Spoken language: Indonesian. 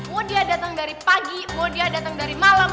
mau dia datang dari pagi mau dia datang dari malam